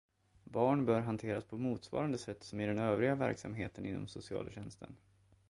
Barn bör hanteras på motsvarande sätt som i den övriga verksamheten inom socialtjänsten.